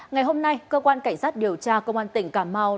ngày hôm nay cơ quan cảnh sát điều tra công an tỉnh cà mau